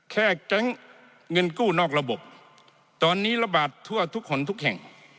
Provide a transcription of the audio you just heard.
แค่แก๊งเงินกู้นอกระบบตอนนี้ระบาดทั่วทุกคนทุกแห่ง